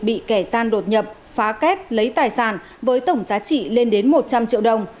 bị kẻ gian đột nhập phá kết lấy tài sản với tổng giá trị lên đến một trăm linh triệu đồng